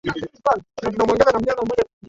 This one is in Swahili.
Damu yako natumai